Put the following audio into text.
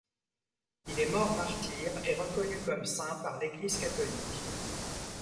Il est mort martyr et reconnu comme saint par l'Église catholique.